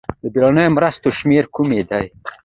د بېړنیو مرستو شمېرې کومې دي؟